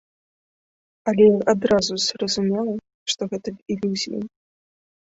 Але я адразу зразумела, што гэта ілюзіі.